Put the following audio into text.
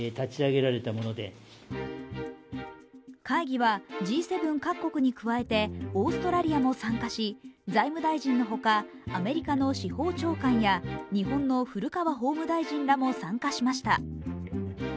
会議はＧ７各国に加えて、オーストラリアも参加し、財務大臣のほか、アメリカの司法長官や日本の古川法務大臣らも参加しました。